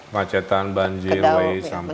macetan banjir woi sampah